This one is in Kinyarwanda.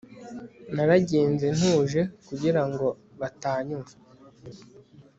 Naragenze ntuje kugira ngo batanyumva